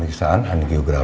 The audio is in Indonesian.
tiko akan datang semula